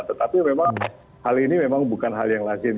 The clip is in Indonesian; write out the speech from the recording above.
tetapi memang hal ini memang bukan hal yang lazim